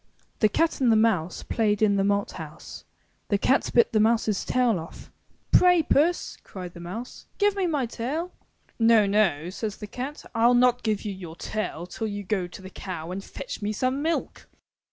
The cat and the mouse Played in the malt house. The cat bit the mouse^s tail off. *Tray, Puss/' cried the mouse, *'give me my tail." ''No, no,'* says the cat. 'Til not give you your tail till you go to the cow and fetch me some milk.